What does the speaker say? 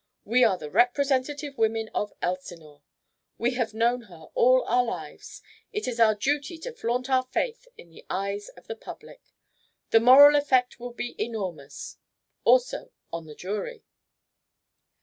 We are the representative women of Elsinore; we have known her all our lives; it is our duty to flaunt our faith in the eyes of the public. The moral effect will be enormous also on the jury."